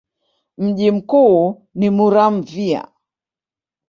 Mji mkuu ni Muramvya.